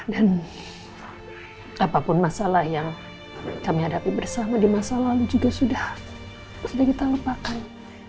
dan apapun masalah yang kami hadapi bersama di masa lalu juga sudah kita lupakan